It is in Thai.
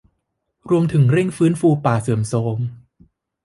รวมถึงเร่งฟื้นฟูป่าเสื่อมโทรม